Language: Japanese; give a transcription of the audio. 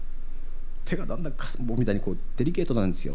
手がだんだん僕みたいにデリケートなんですよ。